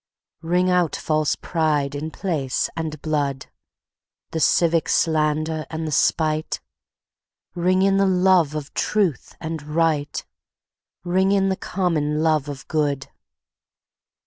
Ring out false pride in place and blood, The civic slander and the spite; Ring in the love of truth and right, Ring in the common love of good.